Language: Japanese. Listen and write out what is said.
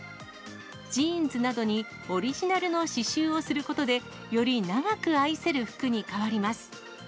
ジーンズなどにオリジナルの刺しゅうをすることで、より長く愛せる服に変わります。